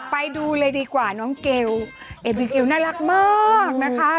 ไปดูเลยดีกว่าน้องเกลเอบิเกลน่ารักมากนะคะ